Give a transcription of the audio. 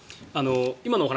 今のお話